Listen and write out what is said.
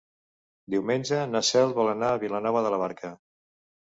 Diumenge na Cel vol anar a Vilanova de la Barca.